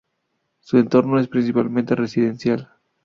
Su entorno es principalmente residencial.